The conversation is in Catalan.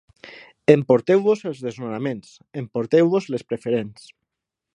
Emporteu-vos els desnonaments, emporteu-vos les preferents.